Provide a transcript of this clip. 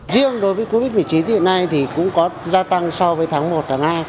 riêng đối với covid một mươi chín hiện nay thì cũng có gia tăng so với tháng một tháng hai